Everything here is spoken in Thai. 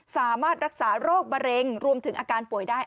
สามารถรักษาโรคมะเร็งรวมถึงอาการป่วยได้